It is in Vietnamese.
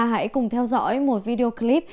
hãy cùng theo dõi một video clip